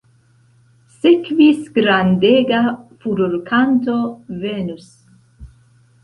Sekvis grandega furorkanto "Venus".